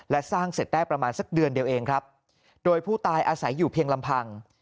และสร้างเสร็จได้ประมาณสักเดือนเดียวเองครับโดยผู้ตายอาศัยอยู่เพียงลำพัง